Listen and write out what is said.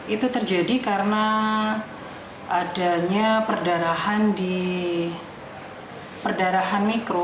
itu terjadi karena adanya perdarahan di perdarahan mikro